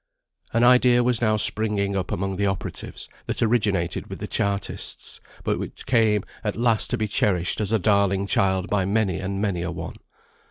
An idea was now springing up among the operatives, that originated with the Chartists, but which came at last to be cherished as a darling child by many and many a one.